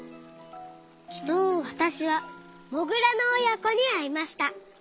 きのうわたしはモグラのおやこにあいました。